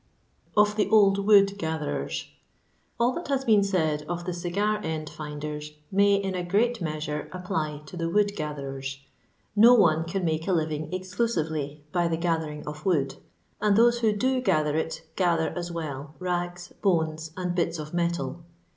Of thb Old Wood Gathirjebs. All that has been said of the cigar end finders may, iu a great measure, apply to the wood gatherers. No one can make a living exchisively by the gathering of wood, and those who do gather it, gather as well rags, bones, and bits of metal.